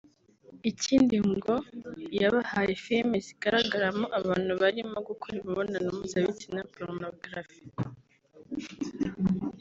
Ikindi ngo yabahaye film zigaragaramo abantu bari gukora imibonano mpuzabitsina (pornography)